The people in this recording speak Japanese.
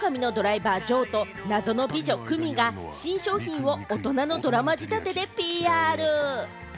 一匹狼のドライバー、ジョウと謎の美女・クミコが新商品を大人のドラマ仕立てでＰＲ。